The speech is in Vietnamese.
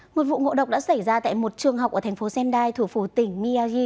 một vụ ngộ độc đã xảy ra tại một trường học ở thành phố sendai thủ phủ tỉnh miyagi